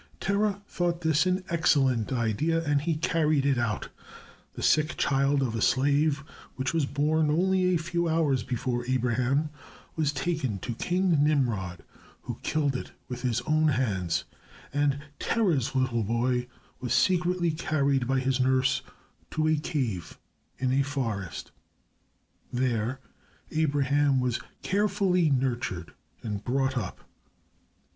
Terah thought this an excellent idea, and he carried it out. The sick child of a slave, which was born only a few hours before Abraham, was taken to King Nimrod who killed it with his own hands, and Terah's little boy was secretly carried by his nurse to a cave in a forest. There Abraham was carefully nurtured and brought up.